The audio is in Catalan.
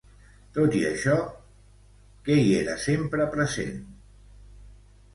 Tot i això, què hi era sempre present?